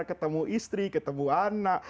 ketemu istri ketemu anak